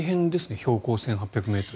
標高１８００ｍ。